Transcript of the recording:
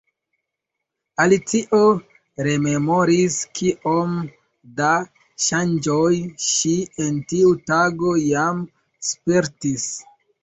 Alicio rememoris kiom da ŝanĝoj ŝi en tiu tago jam spertis.